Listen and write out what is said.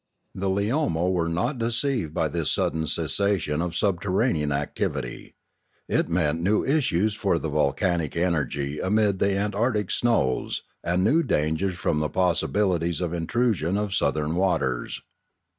The Leomo were not deceived by this sudden cessa tion of subterranean activity. It meant new issues for the volcanic energy amid the antarctic snows, and new dangers from the possible intrusion of southern waters.